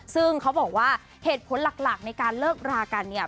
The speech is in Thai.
ซึ่งเขาบอกว่าเหตุผลหลักในการเลิกรากันเนี่ย